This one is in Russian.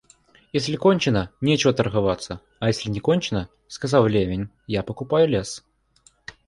Если кончено, нечего торговаться, а если не кончено, — сказал Левин, — я покупаю лес.